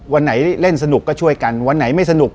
วันไหนเล่นสนุกก็ช่วยกันวันไหนไม่สนุก